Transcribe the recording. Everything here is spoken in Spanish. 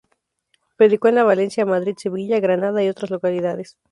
Predicó en Valencia, Madrid, Sevilla, Granada y otras localidades.